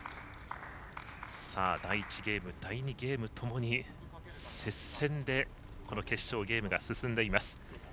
第１ゲーム第２ゲームともに接戦でこの決勝ゲームが進んでいます。